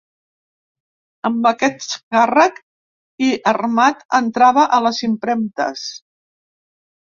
Amb aquest càrrec, i armat, entrava a les impremtes.